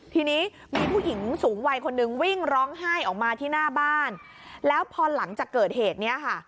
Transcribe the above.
ทีนี้มีผู้หญิงสูงวัยคนนึงวิ่งร้องไห้ออกมาที่หน้าบ้านแล้วพอหลังจากเกิดเหตุเนี้ยค่ะ